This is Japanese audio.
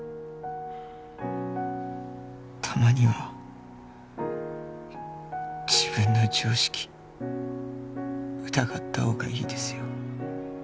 たまには自分の常識疑ったほうがいいですよ。